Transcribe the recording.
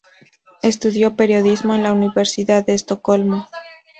Estudió periodismo en la Universidad de Estocolmo.